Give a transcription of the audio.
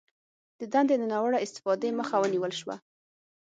د دندې د ناوړه استفادې مخه ونیول شوه